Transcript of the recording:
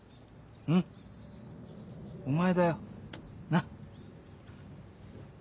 んっお前だよなっ。